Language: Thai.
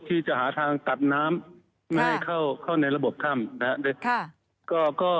ที่จะหาทางตัดน้ำไม่ให้เข้าในระบบถ้ำนะครับ